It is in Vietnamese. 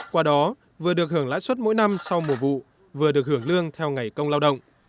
qua đó vừa được hưởng lãi suất mỗi năm sau mùa vụ vừa được hưởng lương theo ngày công lao động